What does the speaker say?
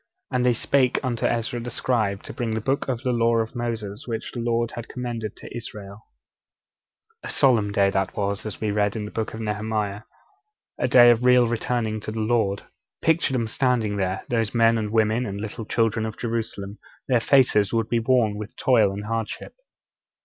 and they spake unto Ezra the scribe to bring the Book of the Law of Moses, which the Lord had commanded to Israel._' (Nehemiah viii. 1.) A solemn day that was, as we read in the Book of Nehemiah, a day of real returning to the Lord. Picture them standing there, those men and women and little children of Jerusalem; their faces would be worn with toil and hardship.